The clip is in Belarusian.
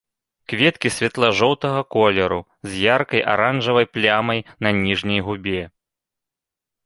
Кветкі светла-жоўтага колеру, з яркай аранжавай плямай на на ніжняй губе.